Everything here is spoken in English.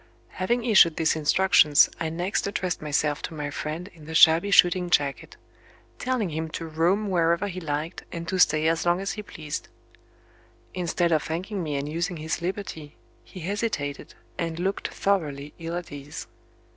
Having issued these instructions, I next addressed myself to my friend in the shabby shooting jacket; telling him to roam wherever he liked, and to stay as long as he pleased. Instead of thanking me and using his liberty, he hesitated, and looked thoroughly ill at ease.